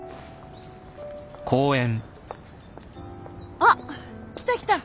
・あっ来た来た。